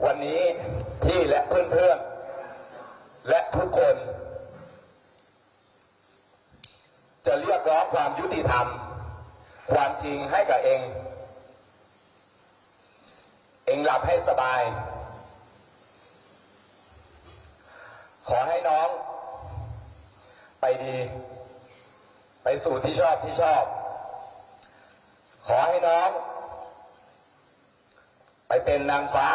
ไปดีไปสู่ที่ชอบขอให้น้องไปเป็นนางฟ้า